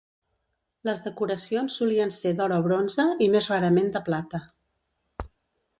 Les decoracions solien ser d'or o bronze i més rarament de plata.